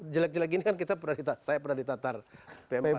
jelek jelek gini kan saya pernah ditatar pm empat